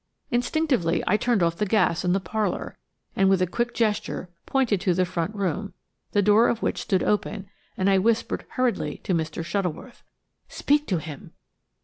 Instinctively I turned off the gas in the parlour, and with a quick gesture pointed to the front room, the door of which stood open, and I whispered hurriedly to Mr. Shuttleworth. "Speak to him!"